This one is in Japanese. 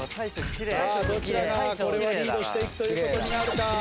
さあどちらがこれはリードしていくという事になるか。